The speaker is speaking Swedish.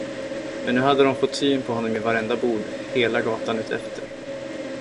Men nu hade de fått syn på honom i varenda bod hela gatan utefter.